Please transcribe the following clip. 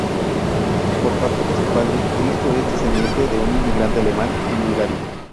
Por parte de su padre, Christo es descendiente de un inmigrante alemán en Bulgaria.